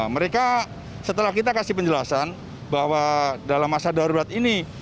mereka setelah kita kasih penjelasan bahwa dalam masa darurat ini